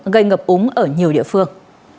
gây ngập úng ở nhiều địa phương